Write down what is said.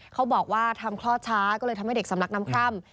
เขาบอกว่าทำคลอดช้าก็เลยทำให้เด็กสำลักน้ำคร่ำ